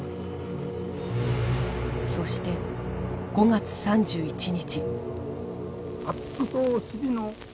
そして５月３１日。